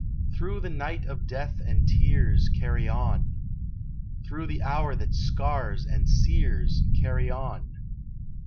Through the night of death and tears, Carry on! Through the hour that scars and sears, Carry on!